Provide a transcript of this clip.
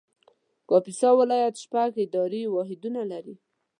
کاپیسا ولایت شپږ اداري واحدونه لري